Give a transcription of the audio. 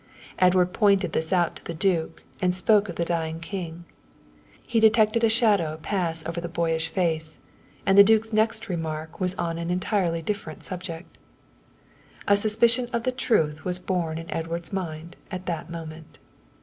Edward pointed this out to the duke and spoke of the dying king. He detected a shadow pass over the boyish face, and the duke's next remark was on an entirely different subject. A suspicion of the truth was born in Edward's mind at that moment.